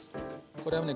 これはね